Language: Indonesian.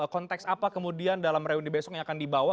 konteks apa kemudian dalam reuni besok yang akan dibawa